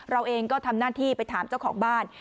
เราเองก็ทำหน้าที่ไปถามเจ้าของบ้าน